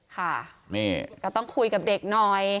ค่ะนี่ก็ต้องคุยกับเด็กหน่อย